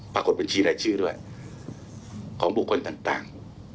ประกดบัญชีรายชื่อด้วยของผู้คนต่าง